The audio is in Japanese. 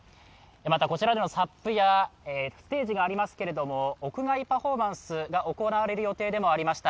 また、こちらではサップやステージがありますけれども、屋外パフォーマンスが行われる予定でもありました。